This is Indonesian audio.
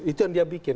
itu yang dia bikin